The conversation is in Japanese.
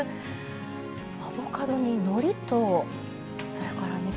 アボカドにのりとそれからね